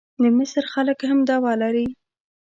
د مصر خلک هم دعوه لري.